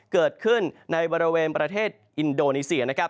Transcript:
เกิดขึ้นในบริเวณประเทศอินโดนีเซียนะครับ